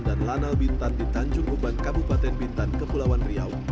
dan lanal bintan di tanjung uban kabupaten bintan kepulauan riau